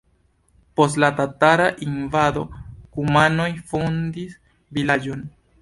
Post la tatara invado kumanoj fondis vilaĝon.